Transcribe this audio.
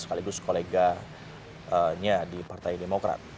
sekaligus koleganya di partai demokrat